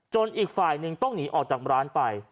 อีกฝ่ายหนึ่งต้องหนีออกจากร้านไป